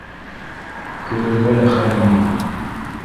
Көлөргә лә хәлем юҡ